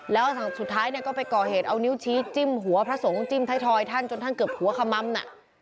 แล้วสุดท้ายเนี่ยก็ไปก่อเหตุเอานิ้วชี้จิ้มหัวพระสงฆ์จิ้มไทยทอยท่านจนท่านเกือบหัวขมัมน่ะ